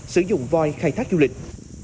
sử dụng voi khai thác du lịch